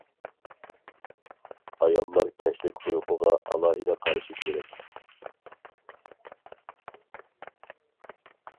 ئاياللار كەچلىك ئۇيقۇغا ئالاھىدە قارىشى كېرەك.